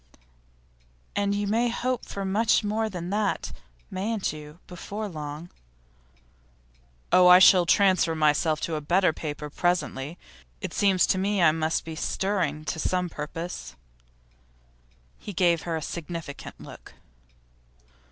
'And you may hope for much more than that, mayn't you, before long?' 'Oh, I shall transfer myself to a better paper presently. It seems to me I must be stirring to some purpose.' He gave her a significant look.